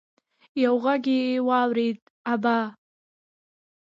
يو غږ يې واورېد: ابا!